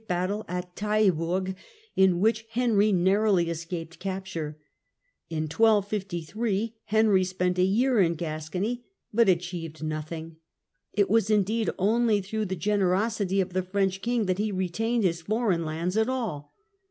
69 battle at Taillebourg, in which Henry narrowly escaped capture. In 1253 Henry spent a year in Gascony, but achieved nothing. It was indeed only through the gener osity of the French king that he retained his foreign lands at all.